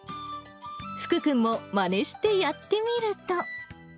福君もまねしてやってみると。